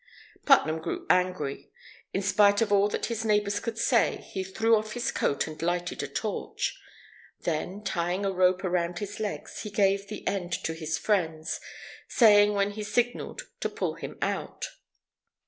Putnam grew angry. In spite of all that his neighbours could say, he threw off his coat and lighted a torch. Then, tying a rope around his legs, he gave the end to his friends, saying when he signaled to pull him out.